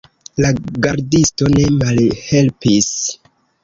La gardisto ne malhelpis.